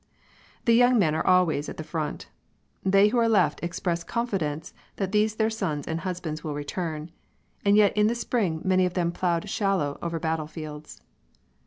The young men are always at the front. They who are left express confidence that these their sons and husbands will return. And yet in the spring many of them ploughed shallow over battlefields.